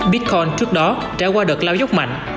bitcoin trước đó trải qua đợt lao dốc mạnh